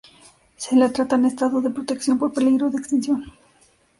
Se la trata en estado de protección por peligro de extinción.